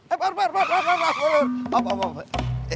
eh perut perut perut